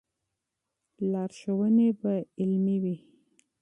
لارښوونې به علمي وي.